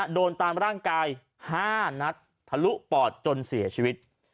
โดนตามร่างกาย๕นัดทะลุปอดจนเสียชีวิต